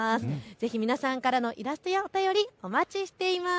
ぜひ皆さんからのイラストやお便りお待ちしています。